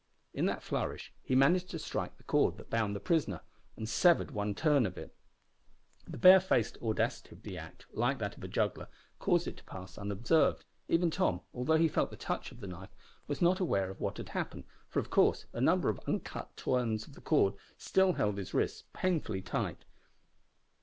In that flourish he managed to strike the cord that bound the prisoner, and severed one turn of it. The barefaced audacity of the act (like that of a juggler) caused it to pass unobserved. Even Tom, although he felt the touch of the knife, was not aware of what had happened, for, of course, a number of uncut turns of the cord still held his wrists painfully tight.